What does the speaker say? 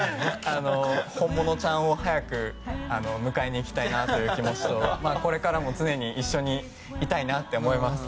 本物ちゃんを早く迎えに行きたいなという気持ちとこれからも常に一緒にいたいなって思います。